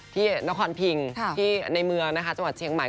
ที่นครพิงที่ในเมืองนะคะจังหวัดเชียงใหม่